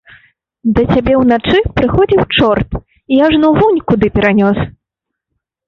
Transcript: Да цябе ўначы прыходзіў чорт і ажно вунь куды перанёс!